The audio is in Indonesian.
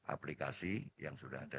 aplikasi yang sudah ada